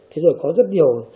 thế rồi có rất nhiều